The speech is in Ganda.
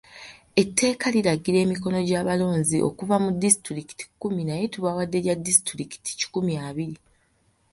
Etteeka liragira emikono gy'abalonzi okuva mu Disitulikiti kikumi naye tubawadde gya Disitulikiti kikumi abiri.